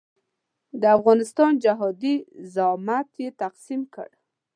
د افغانستان جهادي زعامت یې تقسیم کړ.